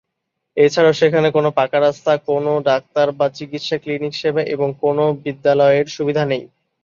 এছাড়াও সেখানে কোনও পাকা রাস্তা, কোনও ডাক্তার বা চিকিৎসা ক্লিনিক সেবা এবং কোনও বিদ্যালয়ের সুবিধা নেই।